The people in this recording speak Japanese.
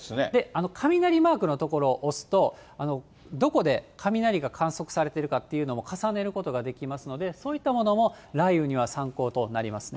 雷マークの所を押すと、どこで雷が観測されてるかっていうのも重ねることができますので、そういったものも雷雨には参考となりますね。